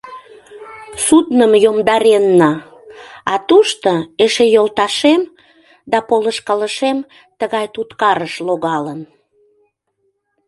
Судным йомдаренна, а тушто эше йолташем да полышкалышем тыгай туткарыш логалын.